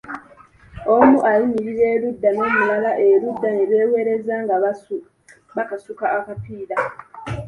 Omu ayimirira erudda n'omulala erudda ne beegezaamu nga bakasuka akapiira.